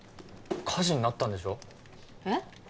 火事になったんでしょえっ？